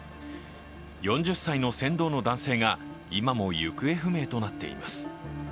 ４０歳の船頭の男性が今も行方不明となっています。